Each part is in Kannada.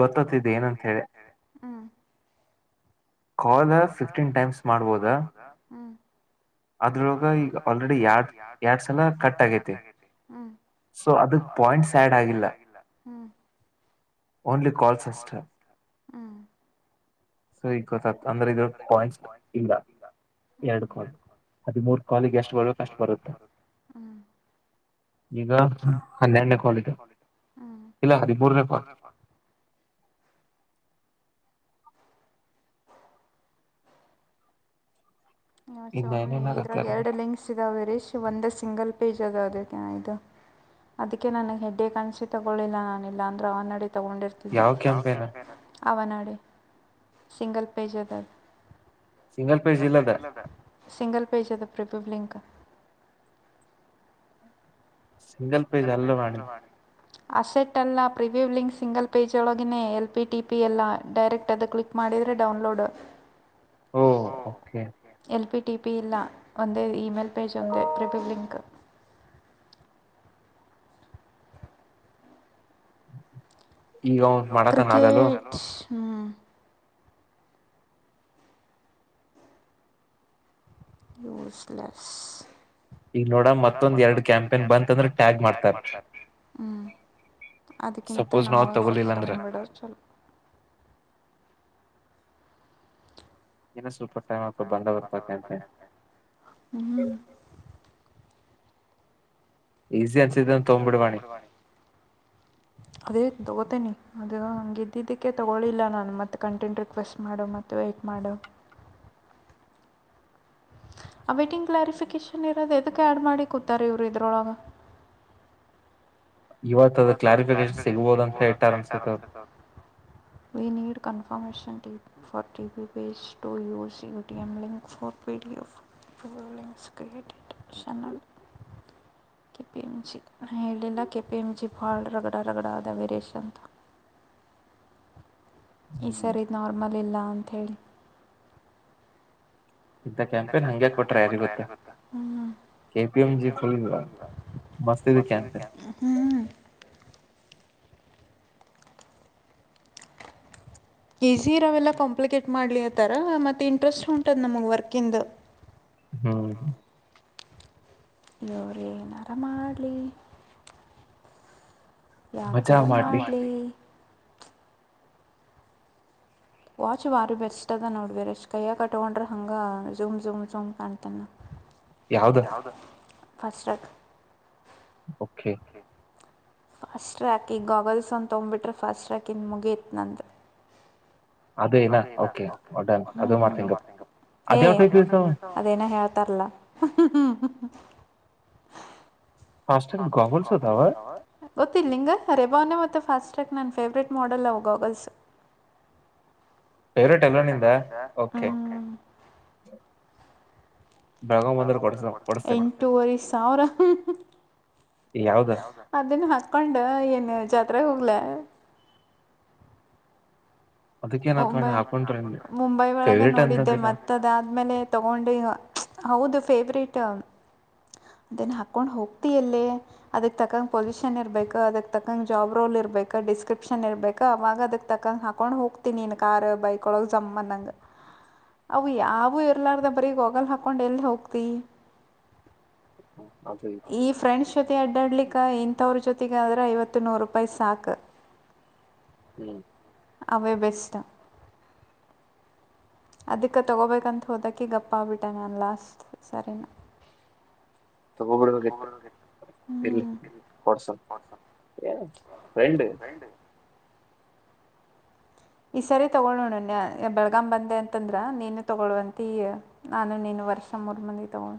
ಇಲ್ ಗೊತ್ತ್ಿದೆ ಏನಂತ ಹೇಳಿ ಕಲ್ ಫಿಫ್ಟೀನ್ ಟೈಮ್ಸ್ ಮಾಡ್ಬೋದ ಅದ್ರೊಾಗ ಈಗ ಆಲ್ರೆಡಿರಡ್ ಎರಡ್ ಸಲ ಕಟ್ ಆಗೈತಿ ಸೊ ಅದ ಪಾಯಿಂಟ್ಸ್ ಆಡ್ ಆಗಿಲ್ಲ ಹ್ಮಞ ಓನ್ಲಿ ಕಾಲ್ ಸಿಸ್ಟರ್ ಸ ಗೊತ್ತ ಅಂದ್ರೆ ಈ ಕಾಯ ಇಲ್ಲ ಎಡ್ ಕಾಯಿ ಹದಿಮೂರ್ ಕಾಲಿಗೆ ಎಷ್ಟು ಬರುತ್ತೆ ಅಷ್ಟ ಬರುತ್ತೆ ಈಗ ಹನ್ನರನೇ ಕಾಲಲ್ಲ ಹದಿಮೂರನೇ ಕ ಹ ಸನು ಇದ್ರಾಗ ಎರಡು ಲಿಂಗಕ್ಸ್ ಇದಾವ ವಿರೀಶ್ ಒಂದ್ ಸಿಂಗಲ್ ಜ ಅ ಅದಕ್ಕೆ ಇದು ಅದಕ್ಕೆ ನನಗೆ ಹೆಡ್ಡೆ ಕಾಣಸಿ ತಗೊಳ್ಳಳಿಲ್ಲ ನಾನ ಇಲ್ಲ ಅಂದ್ರೆ ಅವಡ ತಗೊಂಡಿರ್ತಿದ್ದೆಂ ಅವನಡಿ ಸಿಂಗಲ್ ಪೇಜ್ ಅದದು ಸಿಂಗಲ್ಪೇ ಜಿಲ್ಲದ ಸಿಂಗಲ್ ಪೇಜ್ ಅದೆ ಪ್ರರಿಪಬ್ಲಿಂಕ್ ಸಿಂಗಿಲ್ ಪೇಜ್ ಅಲ್ಲವಾಣ ಆಸೆಟ್ ಅಲ್ಲ ಪ್ರಿವ್ಯೂ ಲಿಂಕ್ ಸಿಂಗಲ್ ಪೇಜ್ಳಗಿನೇ ಎಲ್ಪಿಟಿಪಿ ಎಲ್ಲ ಡೈರೆಕ್ಟ್ ಅದು ಕ್ಲಿಕ್ ಮಾಡಿದರೆ ಡೌನ್ಲೋಡ್ ಓ ಓಕೆ ಟಿ ಪಿ ಇಲ್ಲ ಒಂದೇ ಇಮೇಲ್ ಪೇಜ್ ಒಂದೇ ಪ್ರಿಬ್ಯು ಲಿಂಕ್ ಈಗ ಅವನ್ ಮಾಡತಾನ ಅದಲುೂ ಹಾಂ ಯೂಸ್ಲೆಸ್ ಈ ನೋಡ ಮತ್ತೊಂದ ಎರ ಕ್ಯಾಂಪನ್ ಬಂತಂದ್ರೆಟ್ಯಾಗ್ ಮಾಡ್ತ್ಮ ನ ಸೂಪರ್ ಟೈಮ್ ಅ ಬಂದ ಬರ್ತಕಂತೆ ತ ಅದೇ ತೊಗತನಿ ಅದು ಹ ಇದ್ದಿದ್ದಕ್ಕೆ ತೊಗೊಳ್ಳಳಿಲ್ಲ ನಾನು ಮತ್ತುತ್ತೆ ಕಂಟೆಂಟ್ ರಿಕ್ವೆಸ್ಟ್ ಮಾಡು ಮತ್ತು ವೆಯ್ಟ ಮಾಡು ಆ ವೈಟಿಂಗ್ ಕ್ಲಾರಿಫಿಕೇಶನ್ ಇರೋದು ಎದಕ್ಕೆ ಆ್ಯಡ್ ಮಾಡಿ ಕೂತಾರೆ ಇವ್ರು ಇದ್ರೊಳಗೆ ಇವ್ನ್ ಸಿಗಬಹುದುಂತ ಇನ್ ಟಕ್ ಫ್ರಲ್ ಕೆಿಂ ಜಿ ಹೇಳಿಲ್ಲ ಕೆಪಿಎಂ ಜಿ. [unintelligible] ಹಫಲ್ ರಗಡ ರಗಡದ ವೆರಿಯೇಷನ್ಂತ. ಈ ಸರಿ ಇ ನ್ಮಲ್. ತಮ್ಮಲಿಲ್ಲ ಅಂಥೇಳಿ. ಯಕಂತ ಹಂಗಗೆ ಕೊಟ್ರ ಯಾರಿ ಗೊತ್ತ ಕೆಪಿ ಎಂ ಜಿಲ್ಲ್ ಮತ್ತ. ಈಸಿ ಇರ ಅವೆಲ್ಲ ಕಾಂಪ್ಲಿಕೇಟ್ ಮಾಡ್ಲಿರ್ ತರ ಮತ್ತುತ್ತೆ ಇಂಟ್ರೆಸ್ಟ್ ಉಂಟದ ನಮಗೆ ವರ್ಕಂದು. ಹ್ಮ್. ಇವ್ರ ಏನಾರ ಮಾಡ್ಲಿ. ಯಾಕರ ಮಾಡ್ಲಿ. ವಾಚ್ ಭಾರಿ ಬೆಸ್ಟ್ ಅದ ನೋಡ್ಬ ಅಷ್ಟು ಕೈಯ್ಯಾಗ ಕ ತಗೊಂಡ್ರೆ ಹಂಗ ಝೂಮ್ ಝಮ್ ಝೂಮ್ ಕಾಣ್ತ. ಯಾವ್ದ. Fast track. Okay. Fast track ಈ ಗಾಗಲ್ಸ್ ಒನ್ ತಗ್ಬಿಟ್ರೆ ಫಾಸ್ಟ್ ಟ್ರ್ಯಾಕ ಇನ್ ಮುಗಿಯತ್ ನಂದ. ಏ ಅದೇನ ಹೇಳ್ತಾರಲ್ಲ. ಗೊತ್ತಿಲ್ಲಂಗ ರೇ ಭಾವನೆ ಮತ್ತ. ಮತ್ತೆ ಫಾಸ್ಟ್ ಟ್ರ್ಯಾಕ್ ನನ್ನ ಫೆವ್ರೇಟ್ ಮಾಡಲ್ವು ಗಾಗಲ್ಸ್ [unintelligible] ಫೇವ್ರೇಟ್ ಎಲೋನಿಂದ ಓಕೆ. ಎಂಟೂವರೆ ಸಾವಿರ ಅದನ್ನು ಹತ್ತು. ಕ ಕೊಂಡ ಏನು ಜಾತ್ರೆ ಹೋಗ್ಲ. ಮುಂಬೈ ಮುಂಬೈ ಒಳಗ ನೋಡಿದ್ದೆ ಮತ್ತ ಅದ ಆದ್ಮೇಲೆ ತಗೊಂಡು ಈ ಹೌದು. ಫೇವ್ರೇಟ್ ಅದ ಹಾಕೊಂಡು ಹೋಗ್ತಿಯಲ್ಲಿ ಅದಕ್ಕೆ ತಕಂ ಪೊಸಿಷನ್ ಇರ್ಬೇಕು ಅದಕ್ಕೆ ತಕ್ಕಂ ಜಾಬ್ ರೋಲ್ ಇರ್ಬೇಕು ಡಿಸ್ಕ್ರಿಪ್ಷನ್ ಇರ್ಬೇಕ ಅವಾಗ ಅದಕ್ಕೆ ತಕ ಹಾಕೊಂಡು ಹೋಗ್ತ. ನೀನ್ ಕಾರ್ ಬೈಕ್ ಒಳಗ್ ಜಮ್ಮ ನಂಗ ಅವು ಯಾವೂ ಇರ್ಲಾರ್ದ ಬರಿೀಗ್ ಹೊೋಗಲ್ ಹಾಕೊಂಡ್ ಎಲ್ಲಿ ಹೋಗ್ತಿ. ಈ ಫ್ರೆಂಡ್ಸ್ ಜೊತೆ ಅಡ್ಡಿ. ಡ್ಲಿಕ್ಕೆ ಇಂಥವ್ರ ಜೊತೆಗ ಆದರೆೆ ಐವತ್ತು ನೂರು ರೂಪಾಯಿ ಸಾಕು. ಹ್ಮ್. ಅವೇ ಬೆಸ್ಟ್. ಅದಕ್ಕೆ ತಗೋಬೇಕಂತ ಹೋದಕ್ಕೆ ಗಪ್ಪ ಆಗ್ಬಿಟ್ಟೆ ನಾನು ಲಾಸ್ಟ್ ಸರಿನಾ. ತಗ ಬಿಡಬೇಕ ಇಟ್ಟು ಇಲ್ಲಿ ಕೊಡ್ಸ. ರೆಂಡು. ಈ ಸರಿ ತಗೊಳೋಣನ್ ಬೆಳಗಾ ಬಂದೆ ಅಂತಂದ್ರ ನೀನು ತಗೊಳುವಂತ ನಾನು ನೀನು ವರ್ಷ ಮೂರ್ ಮುಂದಿ ತಗೊ.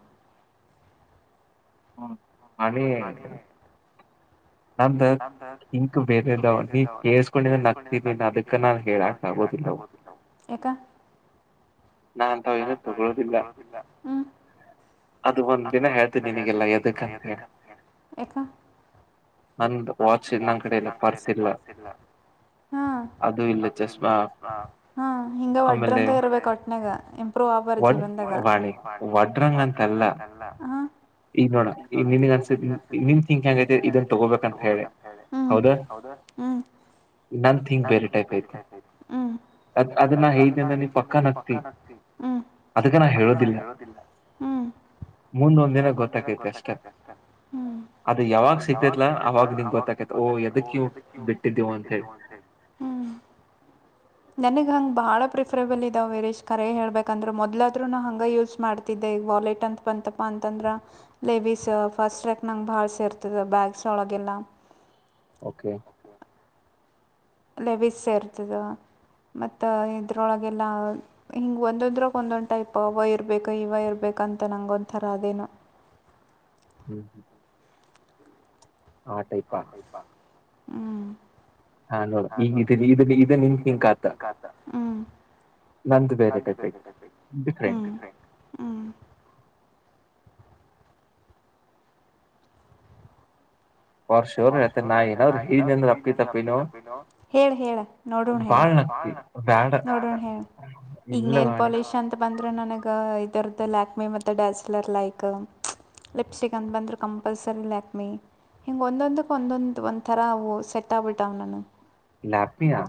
ಹಾ. [unintelligible] ನಂದ ಇಂತ ಬೇರೆಲ್ಲ ನೀ ಕೇಸ್ಕೊಂಡತೀನಿ ಅ ಅದಕ್ಕ ನಾನ್ ಕಾಕ್ ಆಗೋುದಿಲ್ಲ ನಾಂತನು ತಗೊಳ್ಳೋುದಿಲ್ಲ ಅದು ಒಂದ ದಿನ ಲ್ಲದಕ್ಕಂತ ಹೇಳ ಡ್ರಂಗ ಇರ್ಟ್ಟನಾಗವ್ ಆಗ್ಬಾರ ಜವದ [inaudible] ನಿನ್ಗ್ ಅನ್ಸ ನಿನ್ ತಿಕ್ ಹೆಂಗ ಐ ಇದನ್ ತಗೋಬೇಕ ಹೌದಾ ನನ್ ಥಿಂಕ್ ಬೇರೆ ಟೈಪ್ ಐತಿ ಅದ್ ಅದನ್ದ ನೀ ಪಕ್ಕ ನಕ್ತಿ ಅದಕ್ಕ ನಾ ಹೇಳೋದಿಲ್ಲ ಮುಂದೊಂದ ದಿನ ಗೊತ್ತ ತಗೆ ಅಷ್ಟ ಅದು ಯಾವಾಗ ಸಿಗ್ತೇತ್ಲ ಇಲ ಅವಾಗ ಗೋತಗುತ್ತೆ ಹೂ ಯಾತಕ್ ಇವನ್ ಬಿಟಿದು ಅಂತ ಹೇಳಿ ನಂಗ್ ಹಂಗ ಬಳ ಪಿರ್ ಫೇಬಲ್ ಇದಾವ ವೇರ್ ಕರೆ ಹೇಳ್ಬೇಕಂದ್ರೆ ಮೊದ್ಲಾದ್ರು ನಾ ಹಂಗ ಯೂಸ್ ಮಾಡ್ತಿದ್ದೆ ವಾಲೆಟ್ ಅಂತ ಬಂತಪ ಅಂತಂದ್ರ ಲೇಬಿಸಸ್ ಫಸ್ಟ್ಕ್ ನಂಗಗೆ ಬಾಳ ಸೇರ್ತದೆ ಬ್ಯಾಗ್ಸ್ ಒಳಗೆಲ್ಲ ಓಕೆ ಲೆವಿಸ್ಸ ಇರ್ತದೆ ಮತ್ತು ಇದರೊಳಗೆಲ್ಲ ಹಿಗೆ ಒಂದೊಂದ್ರಗೆ ಒಂದೊಂದು ಟೈಪ್ ಅವ ಇರಬೇಕು ಇವ ಇರ್ಬೇಕುಂತ ನಂಗೆೊಂಥರ ಅದೇನು ಹ್ಮ್ ಹ್ಮ್ ಆ ಟೈಪಾ ಹ್ಮ್ ಹಾ ನೋಡ್ ಈಗ ಇದ ಇದ ನಿಂಗ್ ಸಿಂಕ್ ಆತ ಹ್ಮ್ ನಂದ್ ಬೇರೆ ಟೈಪಿಕ್ ಹ್ಮ್ ಹ್ಮ್ ವರ್ಷವರ ಹೇಳ್ತ ನಾನಾ ಏನ ಅವರ ಅಂದ ಅಪ್ಪಿ ತಪ್ಪಿನ ಹೇಳ ಹೇಳ ನೋಡಣ ಹೇಳ ನೋಡಣ ಹೇಳ ಈಗ್ ನೈಲ್ ಪಾಲಿಸ ಅಂತ ಬಂದ್ರ ನನಗ [unintelligible] ಲ್ಯಾಕ್ಮಿ ಮತ್ತೆ ಡ್ಯಾಚಲರ್ ಲೈಕ್ ಲಿಪ್ಸ್ಟಿಕ್ ಅಂತ ಬಂದರು ಕಂಪಲ್ಸರಿ ಲ್ಯಾಕ್ಮಿ ಹ ಒಂದೊಂದಕ್ಕೆ ಒಂದೊಂದು ಒಂದುಥರವು ಸೆಟ್ ಆಗ್ಬಿಟ್ಟಾವ ನನಗೆ ಲಾಪ್ಮಿಯಾ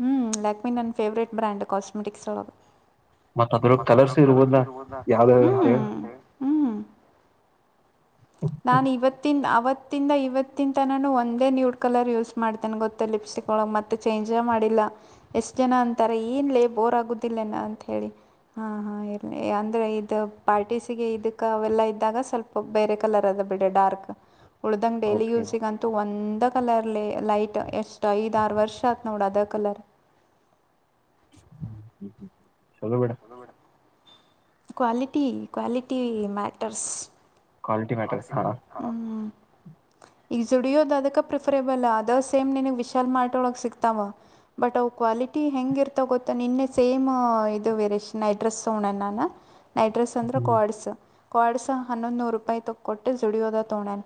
ಹೂ ಲ್ಯಾಕ್ಮಿನನ್ನ ಫೇವ್ರೇಟ್ ಬ್ರ್ಯಾಂಡ್ ಕಾಸ್ಮೆಟಿಕ್ಸ್ ಅವರದು ಮತ್ತ ಅದ್ರ ಕಲರ್ಸ್ ಇರ್ಬೋದಾ ಹ್ಮ್ ಹ್ಮ ನಾನ ಇವತಿನ್ ಅವತ್ ಇತ್ತಿಂದ ಇವತ್ತಂತ ನಾನು ಒಂದೇ ನ್ಯೂಡ್ ಕಲರ್ ಯೂಸ್ ಮಾಡ್ತೇನೆ ಗೊತ್ತ ಲಿಪ್ಸ್ಟಿಕ್ ಒಳ ಮತ್ತೆ ಚೇಂಜ ಮಾಡಿಲ್ಲ ಎಷ್ಟ್ ಜನ ಅಂತಾರ ಏನ್ ಲೇ ಬೋರ್ ಆಗುದಿಲ್ಲೇನ ಅಂತ ಹೇಳಿ ಹಾ ಹಾ ಇ ಅಂದ್ರೆ ಇದ ಪಾರ್ಟೀಸ್ಗೆ ಇದಕ್ಕ ಅವೆಲ್ಲ ಇದ್ದಾಗ ಸ್ವಲ್ಪ ಬೇರೆ ಕಲರ್ ಅದ ಬಿೇಡ ಡಾರ್ಕ್ ಉಳ್ದಂಗೆ ಡೈಲಿ ಯೂಲ್ ಸಿಗಂತು ಒಂದು ಅ ಕಲರ್ಲಿ ಲೈಟ್ ಎಷ್ಟ ಐದ ಆರು ವರ್ಷ ಆತ್ ನೋಡ ಅದ ಕಲರ್ ಹ್ಮ ಹ್ಮ್ ಹ್ಮ್ ಚಲೋಬೇಡ quality quality matters quality matter ಹಾ ಈಗ ಜುಡಿಯೋದು ಅದಕ್ಕೆ ಪ್ರಿಫರೇಬಲ್ ಅದ ಸೇಮ್ ನಿನಗ್ ವಿಶಾಲ್ ಮಾರ್ಟ ಒಳಗೆ ಸಿಕ್ತಾವ ಬಟ್ ಅವು ಕ್ವಾಲಿಟಿ ಹೆಂಗ ಇರ್ತಾವ ಗೊತ್ತಾ ನಿನ್ನೆ ಸೇಮ್ ಇದು ವೇರಷನ್ ಎಡ್ರೆಸ್ ಹೋಣಣ ನಾನ ನೈಟ್ ಡ್ರೆಸ್ ಅಂದ್ರೆ ಕೋ ಆಡ್ಸ್ ಕೋಡಸ ಹನ್ನೊಂದು ನೂರು ರೂಪಾಯಿ ಕೊಟ್ಟು ಜಡಿಯೋದ ತಗೊಂಡೇನ್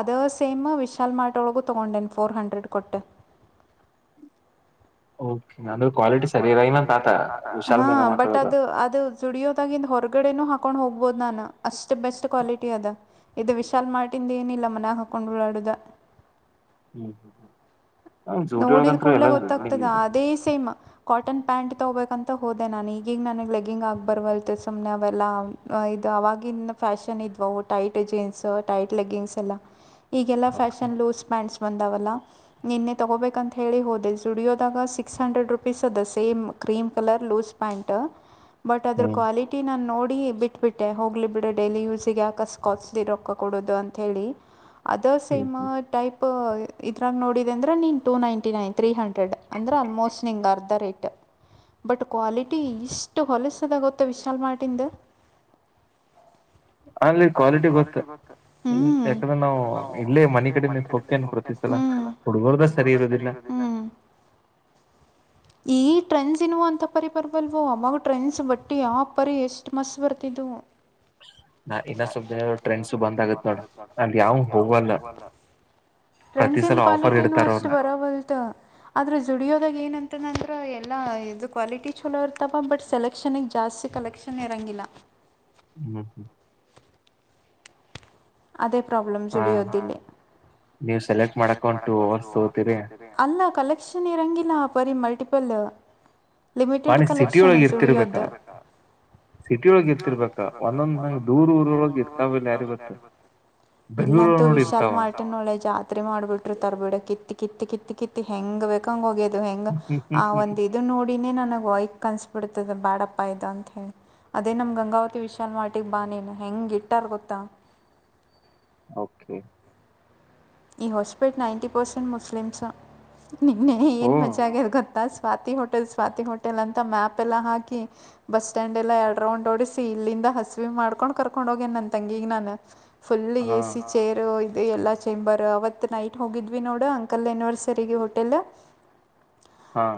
ಅದ ಸೇಮ್ ವಿಶಾಲ್ ಮ್ಟ ಒಳಗು ತಗೊಂಡೆನ್ ಫೋರ್ ಹಂಡ್ರೆಡ್ ಕೊಟ್ಟ ಹೌದು ಅಂದ್ರೂ ಕ್ವಾಲಿ ಸರಿಯರಐನ ತಾತ ವಿಶಾಲ ಮೇಲೆ ಮಾತಾಡೋಲ್ಲ ಸ್ಟುಡಿಯೋದಾಗಿಿಂದ ಹೊರಗಡೆನೂ ಹಾಕೊಂಡು ಹೋಗ್ಬೋದು ನಾನು ಅಷ್ಟು ಬೆಸ್ಟ್ ಕ್ವಾಲಿಟಿ ಅದ ಇದು ವಿಶಾಲ್ ಮಾರ್ಟಿಂದ ಏನಿಲ್ಲ ಮನ್ಯಾಗ ಹಾಕೊಂಡು ಳಾಡುದ ಹ್ಮ್ ಹ್ಮ್ ನೋಡಿದ್ ಕೂಡ್ಲೆ ಗೊತ್ತಾಗ್ತದ ಅದೇ ಸೇಮ್ ಕಾಟನ್ ಪ್ಯಾಂಟ್ ತಗೋಬೇಕಂತ ಹೋದೆ ನಾನು ಈಗೀಗ ನನಗೆ ಲೆಗಿಂಗ್ ಆಗಿಬರವಲ್ ಸುಮ್ಮನೆ ಅವೆಲ್ಲ ಇದು ಅವವಾಗಿನ ಫ್ಯಾಶನ್ ಇದ್ವು ಟೈಟ್ ಜೀನ್ಸ್ ಟೈಟ್ ಲೆಗ್ಗಿಂಗ್ಸ್ ಎಲ್ಲ ಈಗೆಲ್ಲ ಫ್ಯಾಷನ್ ಲೂಸ್ ಪ್ಯಾಂಟ್ಸ್ ಬಧ ವಲ್ಲ ನಿನ್ನೆ ತಗೋಬೇಕ ಅಂತ ಹೇಳಿ ಹೋದೆ ಸುಡಿಯೋದಾಗ ಸಿಕ್ಸ್ ಹಂಡ್ರೆಡ್ ರುಪೀಸ್ ಅದ same cream colour loose pant but ಅದ್ರ ಕ್ವಾಲಿಟಿ ನಾ ನೋಡಿ ನೋಡಿ ಬಿಟ್ಬಿಟ್ಟೆ ಹೋಗ್ಲಿ ಬಿಡ ಡೈಲಿ ಯೂಸ್ಿಗೆ ಯಾಕ ಸ್ಕಾಸ್ಲಿ ರೊಕ್ಕ ಕೊಡೋುದು ಅಂತಿ ಅದು ಸೇಮ್ ಟೈಪ್ ಇದ್ರಾಗ ನೋಡಿದೆ ಅಂದ್ರೆ ನೀನ್ ೂ ninety nine three hundred ಅಂದ್ರೆ ಆಲ್ಮೋಸ್ಟ್ ನಿಂಗ್ ಅರ್ಧ ರೇಟ್ ಬಟ್ ಕ್ವಾಲಿಟಿ ಇಷ್ಟು ಹೊಲಸದ ಗೊತ್ತಾ ವಿಶಾಲ್ ಮಾರ್ಟಿಂದ ಅಲ್ೀ ಕ್ವಾಲಿಟಿ ಗತ್ತ ಯಾಕ್ರೆ ನಾವು ಇಲ್ಲೇ ಮನೆ ಕಡೆ ನಿಂತ ಹೋಗ್ತೇ ಅ ಪ್ರತಿಸ್ತಲ್ಲ ಹುಡ್ಗರ್ದಷ್ಟ ಅವರ್ದ ಸರಿ ಇರೋದಿಂದ ಈ ಟ್ರೆಂಡ್ಸ್ ಇನ್ವೋ ಅಂತ ಪರಿ ಬರಬಲ್ವೋ ಅವಾಗ ಟ್ರೆಂಡ್ಸ್ ಬಟ್ಟಿ ಆ ಪರಿ ಎಷ್ಟು ಮಸ್ ಬರ್ತಿದವು ನಾ ಇನ್ನೊಂದ ್ರ್ ಬಂದ ಆಗ ನ ಯಾವ ಹೋಗಲ್ಲ ್ರ್ ಇ ಕ್ವಾಲಿಟ ಅಷ್ಟ ಬರಬಲ್ತ್ ಆದ್ರೆ ಜದುಡಿಯೋದಾಗ ಏನಂತ ನ ಎಲ್ಲ ಇದು ಕ್ವಾಲಿಟಿ ಚಛಲೋ ಇರ್ತಾವ ಬಟ್ ಸೆಲೆಕ್ಷನಿಗೆ ಜಾಸ್ತಿ ಕಲೆಕ್ಷನ್ ಇರೋಂಗಿಲ್ಲ ಹ್ಮ್ ಹ್ಮ್ ಅದೇ ಡಿಯ ಅಲ್ಲನ್ ಇರಂಗಿಲ್ಲ ಬರಿ ಮಲ್ಟಪಲ್ ನಿ ಸಿಟಿೊಳಗ ಇರ್ತಿರ್ಬೇಕಾ ಸಿಟಿ ಒಳಗ ಇರ್ತಿರ್ಬೇಕಾ ಒಂದೊಂದ್ ನಂಂಗಗೆ ದೂರ್ ಊರೊಳಗ ಇರ್ತಾವಲ್ಲ ಯಾರಿ ಗರ್ತ್ತದ ಇಲ್ಲಂತೂ ವಿಶಾಲ್ ಮಾರ್ಟಿನ್ ಒಳೆ ಜಾತ್ರೆ ಮಾಡ್ಬಿಟ್ರು ತರಬೇಡ ಕಿತ್ತ ಕಿತ್ತ ಕತ್ತ ಕತ್ತ ಹ ಹೆಂಗ ವೇಕಂಗೋಗ ದು ಹೆಂಗ ಆ ಒಂದ್ ಇದು ನೋಡಿನೇ ನನ ವಯಕ್ ಕನ್ಿಸ್ಬಿಡ್ತದೆ ಬಾಡಪ್ಪ ಇದೆ ಅಂತ ಹೇಳಿ ಅದೇ ನಮ್ಮ ಗಂಗಾವತಿ ವಿಶಾಲ್ ಮಾಡಟಿಗೆ ಬಾನಿಲ್ಲ ಹೆಂಗೆ ಇಟ್ಟಾರ ಗೊತ್ತಾ ಓಕೆ ಈ ಹೊಸಬಟ್ಟ ನೈಂಟಿ ಪರ್ಸೆಂಟ್ ಮುಸ್ಲಿಮ್ಸ್ ನಿನ್ನೆ ಏನ್ ಮಜಾ ಆಗ್ಯದ ಗೊತ್ತಾ ಸ್ವಾತಿ ಹೋಟೆಲ್ ಸ್ವಾತಿ ಹೋಟೆಲ್ ಅಂತ ಮ್ಯಾಪ್ ಎಲ್ಲಾ ಹಾಕಿ ಬಸ್ ಸ್ಟ್ಯಾಂಡ್ ಎಲ್ಲ ಎರಡ್ ರೌಂಡ್ ಓಡಿಸಿಿ ಇಲ್ಲಿಂದ ಹಸಿವ ಮಾಡ್ಕೊಂಡ್ ಕರ್ಕೊಂಡ್ ಹೋಗೇನ್ ನನ್ ತಂಗಿಗ ನನ್ ಫುಲ್ ಎ ಸಿಿ ಚೇರು ಅ ಎಲ್ಲ ಚೇಂಬರ್ ಅವತ್ ನೈಟ್ ಹೋಗಿದ್ವಿ ನೋಡ ಅಂಕಲ್ ಎನಿವರ್ಸರಿಗೆ ಹೋಟೆಲ್. ಹಾ.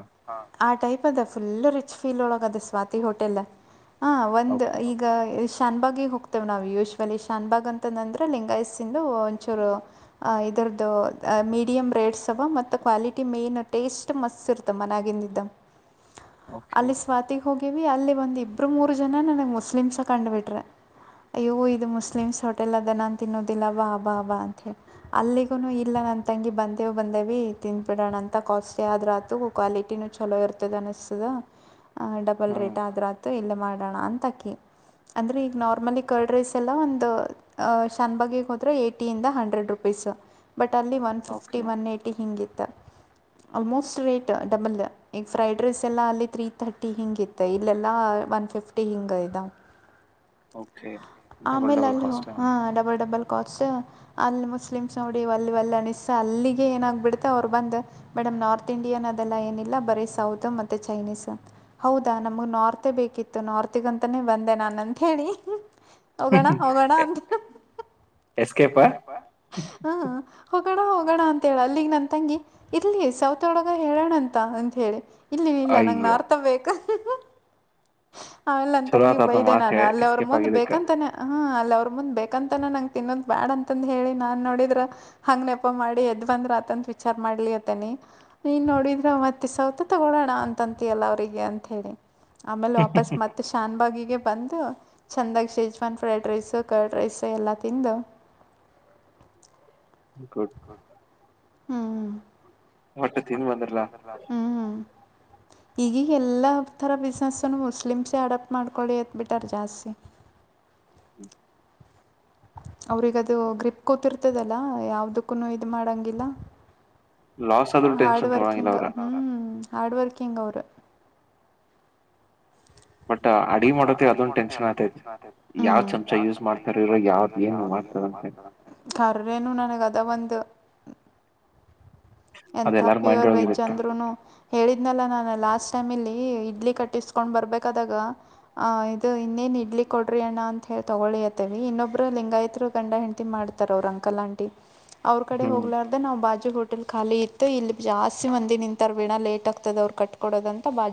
ಆ ಟೈಪ್ ಅದ ಫುಲ್ ರಿಚ್ ಫೀಲ್ ಒಳಗ ಅದ ಸ್ವಾತಿ ಹೋಟೆಲ್. ಹ ಒಂದ ಈಗ ಎಸ್ಟ್. ಶನ್ಬಾಗಿಗೆ ಹೋಗ್ತೇವೆ ನಾವು ಯೂಶ್ಲಿ ಶಾನ್ಬಾಗ್ ಅಂತಂದಂದ್ರೆ ಲಿಂಗಾಯಸಂದು ಒಂಚೂರು. ಇದರದ್ದು ಮೀಡಿಯಮ್ ರೇಟ್ಸ್ ಅವ ಮತ್ತ ಕ್ವಾಲಿಟಿ ಮೇನ್ ಟೇಸ್ಟ್ ಮಸ್ತ್ ಇರ್ತ ಮಾನ್ಯಗಿಂದ ಇದಂಗ. ಅಲ್ಲಿ ಸ್ವಾತಿ ಹೋಗ [unintelligible] ಬಂದ ಇಬ್ರೂ ಮೂರು ಜನ ನನಗೆ ಮುಸ್ಲಿಮ್ಸ್ ಕಂಡುಬಿಟ್ರ ಅಯ್ಯೋ ಇದು ಮುಸ್ಲಿಮ್ಸ್ ಹೋಟೆಲ್ ಅದ ನಾನು ತಿನ್ನೋದಿಲ್ಲ ಬಾ ಬಾ ಬಾ ಅಂಥ ಹೇಳ್ ಅಲ್ಲಿಗುನು ಇಲ್ಲ ನಾನ್ ತಂಗಿ ಬಂದೇವಿ ಬಂದಿವಿ ತಿಂದಬಿಡೋಣ ಅಂತ ಕಾಸ್ಟ್ಲಿ ಆದ್ರ ಆತು ಕ್ವಾಲಿಟಿನೂ ಚಲೋ ಇರ್ತದ ಅನಸ್ತದ. ಡಬಲ್ ರೇಟ್ ಆದ್ರ ಆತು ಇಲ್ಲ. ಮಾಡೋಣ ಅಂತ ಅಕಿ ಅಂದ್ರೆ ಈಗ ನಾರ್ಮಲ್ ಕರ್ಡ್ ರೈಸ್ ಎಲ್ಲ ಒಂದ್ ಶ್ಯಾನಭಾಗ್ ಹೋದ್ರೆ ಏಟಿಯಿಂದ ಹಂಡ್ರೆಡ್ ರುಪೀಸ್ ಪೈಸ. ಬಟ್ ಅಲ್ಲಿ ಒನ್ ಫಿಫ್ಟಿ ಒನ್ ಏಯ್ಟಿ ಹಿಂಗಿತ್ತ ಆಲ್ಮೋಸ್ಟ್ ರೇಟ್ ಡಬಲ್ ಈಗ ಫ್ರೈಡ್ ರೈಸ್ ಎಲ್ಲ ಅಲ್ಲಿ ತ್ರೀ ಥರ್ಟಿ ಹಿಂಗ ಇತ್ತು ಇಲ್ಲೆಲ್ಲ ಒನ್ ಫಿಫ್ಟಿ ಹಿಂಗ ಆದ. ಆಮೇಲೆ ಅಲ್ ಹೋ ಡಬಲ್ ಡಬಲ್ [unintelligible] ಮುಸ್ಲಿಮ್ಸ್ ನೋಡಿ ವಲ್ಯ ವಲ್ಯ ಅನಿಸಿತ್ ಅಲ್ಲಿಗೆ ಏನಾಗ್ಬಿಡುತ್ತೆ ಅವ್ರು ಬಂದ ಮೇಡಮ್ ನಾರ್ತ್ ಇಂಡಿಯನ್ ಅದೆಲ್ಲ ಏನಿಲ್ಲ ಬರೀ ಸೌತ್ ಮತ್ತೆ ಚೈನೀಸ ಹೌದಾ ನಮ್ಗೆ ನಾರ್ತೆೇ ಬೇಕಿತ್ತು ನಾರ್ತ್ಗಂತಾನೇ ಬಂದೆ ನಾನು ಅಂತ ಹೇಳಿ. ಹೋಗಣ ಹೋಗಣ ಅಂತ. ಎಸ್ಕೇಪ್ ಹ್ಹ್. ಹೋಗೋಣ ಹೋಗೋಣ ಅಂತ ಹೇಳ ಅಲ್ಲಿಗ್ ನನ್ ತಂಗಿ ಇರ್ಲಿ ಸೌತೊಳಗ ಹೇಳೋಣ ಅಂತ ಅಂತ ಹೇಳಿ. ಇಲ್ಲ ಇಲ್ಲ ನಂಗೆ ನಾರ್ತಬೇಕು. ಆಮೇಲೆ ನನ್ನ ತಂಗಿಗೆ ಬೈದೆ ನಾನು ಅಲ್ಲಿ ಅವ್ರ ಮುಂದೆ ಬೇಕಂತಾನೇ ಹ ಅಲ್ಲಿ ಅವ್ರ ಮುಂದೆ ಬೇಕಂತಾನೇ ನಂಗ ಇನ್ನು ಬ್ಯಾಡ ಅಂತಂದ ಹೇಳಿ ನಾನ್ ನೋಡಿದ್ರ ಹಂಗ್ನೆೆಪ ಮಾಡಿ ಎದ್ ಬಂದ್ರ ಆತಂತ ವಿಚಾರ ಮಾಡ್ಲಿ ಅತನಿ ನೀನ್ ನೋಡಿದ್ರ ಮತ್ತೆ ಸೌತ ತಗೊಳೋಣ ಅಂತಂತಿಯಲ್ಲ ಅವ್ರಿಗೆ ಅಂತ ಹೇಳಿ. ಆಮೇಲೆ ವಾಪಸ್ ಮತ್ತೆ ಶಾನ್ಬಾಗಿಗೆ ಬಂದು. ಚೆಂದಾಗಿ Schezwan fried rice curd rice ಎಲ್ಲ ತಿಂದು. [inaudible] ಹ್ಮ್ ಒಟ್ಟ ತಿಂದ ಬಂದ್ರೆಲ್ಲ ಹ್ಹ್. ಈಗೀಗ ಎಲ್ಲ ತರ ಬಿಸ್ನೆಸ್ ಮುಸ್ಲಿಮ್ಸೇ ಅಡಪ್ಟ್ ಮಾಡ್ಕೊಳ್ಳಿ ಎತ್ಬಿಟ್ಟಾರ ಜಾಸ್ತಿ. ಅವರಿಗದು ಗ್ರಿಪ್ ಕೂತಿರ್ತದಲ್ಲ ಯಾವದಕ್ಕೂ ಇದು ಮಾಡಂಗಿಲ್ಲ. ಹಾರ್ಡ್ ವರ್ಕಿಂಗ್ ಹ್ಮ್. ಹಾರ್ಡ್ ವರ್ಕಿಂಗ್ ಅವರು. ಬಟ್ ಅಡಿ ಮಾಡ ಅದೊಂದುಟನ್ನ್ ಆ ಯಾವ್ ಚಮಚ ಯ ಮಾಡ್ತೇನು ನದ ಒ ಎಂತ ಪ್ಯೂರ್ ವೆಜ್ ಅಂದ್ರುನು ಹೇಳಿದ್ನಲ್ಲ ನಾನ ಲಾ ಲಾಸ್ಟ್ ಟೈಮ್ ಇಲ್ಲಿ ಇಡ್ಲಿ ಕಟ್ಟಿಸ್ಕೊಂಡ್ ಬರ್ಬೇಕಾದಾಗ ಆಹ ಇದು ಇನ್ನೇನ್ ಇಡ್ಲಿ ಕೊಡ್ರಿ ಅಣ್ಣ ಅಂತ ಹೇಳಿ ತಗೊಳಿಯತ್ತವಿ ಇನ್ನೊಬ್ರು ಲಿಂಗಾಯತ್ರು ಗಂಡ ಹೆಂಡತಿ ಮಾಡ್ತಾರ ಅವರು ಅಂಕಲ್ ಆಂಟಿ ಅವ್ರ ಕಡೆ ಹೋಗ್ಲಾರ್ದ ನಾವು ಬಾಜು ಹೋಟೆಲ್ ಖಾಲಿ ಇತ್ತು ಇಲ್ಲಿ ಜಾಸ್ತಿ ಮಂದಿ ನಿಂತಾರ ಬೇ ಲೇಟ್ ಆಗ್ತದ ಅವ್ರು ಕಟ್ಕ ಕೊಡೋದ ಅಂತ ಬಾಜ